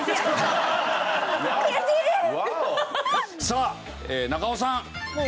さあ中尾さん。